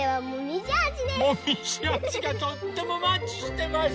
もみじあじがとってもマッチしてます。